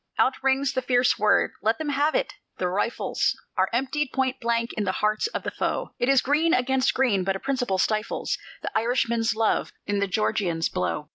Out rings the fierce word, "Let them have it!" the rifles Are emptied point blank in the hearts of the foe: It is green against green, but a principle stifles The Irishman's love in the Georgian's blow.